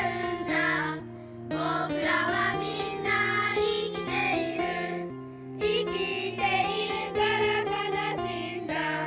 「ぼくらはみんな生きている」「生きているからかなしいんだ」